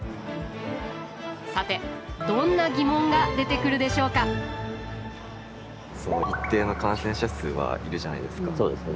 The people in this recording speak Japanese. さてどんな疑問が出てくるでしょうか一定の感染者数はいるじゃないですか。